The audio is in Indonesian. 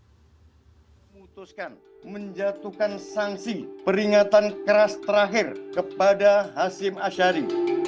kepada kpu ketua kpu hashim asyari telah menjatuhi sanksi berupa peringatan keras terakhir kepada hasim asyari